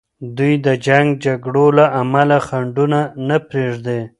دوی د جنګ جګړو له امله خنډونه نه پریږدي.